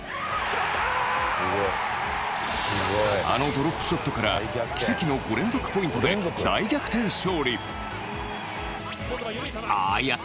あのドロップショットから奇跡の５連続ポイントで大逆転勝利。